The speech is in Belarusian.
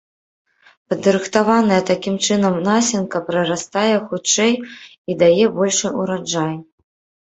Падрыхтаваная такім чынам насенка прарастае хутчэй і дае большы ўраджай.